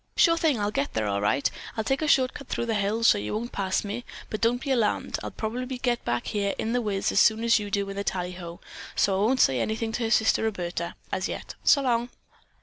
"Sure thing, I'll get there all right. I'll take a short cut through the hills, so you won't pass me, but don't be alarmed. I'll probably get back here in The Whizz as soon as you do in the tallyho, so I won't say anything to her sister, Roberta, as yet. So long."